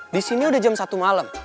di sini udah jam satu malam